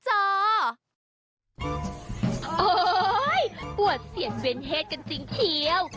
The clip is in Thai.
โอ้ยยยยยปวดเสียงเว้นเฮดกันจริงเทียว